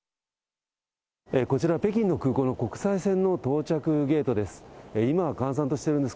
こちら、北京の空港の国際線の到着ゲートです。